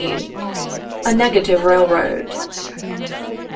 A NEGATIVE RAILROAD.